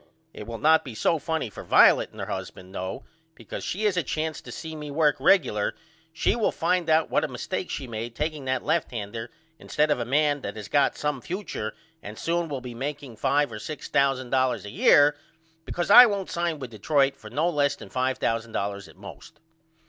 It will not be so funny for Violet and her husband though because when she has a chance to see me work regular she will find out what a mistake she made takeing that lefthander instead of a man that has got some future and soon will be makeing 5 or $6000 a year because I won't sign with Detroit for no less than $5000 at most.